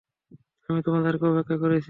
আমি তোমাদেরই অপেক্ষা করছি।